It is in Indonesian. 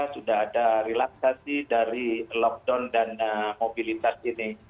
sudah ada relaksasi dari lockdown dan mobilitas ini